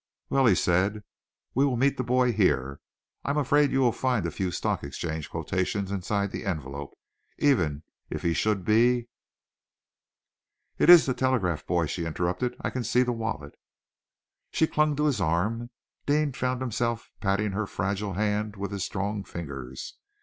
"Well," he said, "we will meet the boy here. I am afraid you will find a few stock exchange quotations inside the envelope, even if he should be " "It is a telegraph boy," she interrupted. "I can see the wallet." She clung to his arm. Deane found himself patting her fragile hand with his strong fingers.